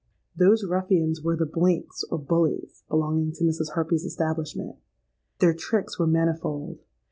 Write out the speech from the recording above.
Those ruffians were the blinks, or bullies, belonging to Mrs. Harpy's establishment. Their tricks were manifold.